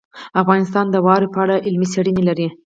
افغانستان د واوره په اړه علمي څېړنې لري.